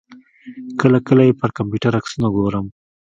کله کله یې پر کمپیوټر عکسونه ګورم.